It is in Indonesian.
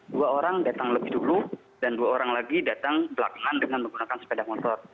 dua orang datang lebih dulu dan dua orang lagi datang belakangan dengan menggunakan sepeda motor